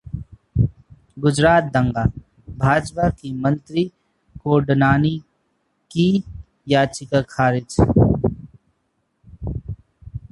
गुजरात दंगा: भाजपा की मंत्री कोडनानी की याचिका खारिज